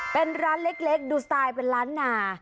เป็นร้านเล็กดูสไตล์เป็นล้านนา